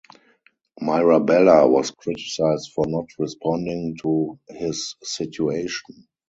Mirabella was criticised for not responding to his situation.